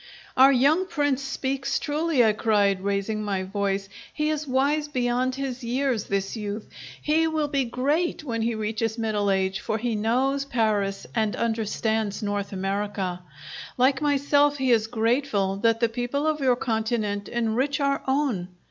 "Our young Prince speaks truly," I cried, raising my voice. "He is wise beyond his years, this youth! He will be great when he reaches middle age, for he knows Paris and understands North America! Like myself, he is grateful that the people of your continent enrich our own!